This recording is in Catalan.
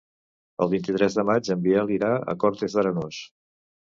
El vint-i-tres de maig en Biel irà a Cortes d'Arenós.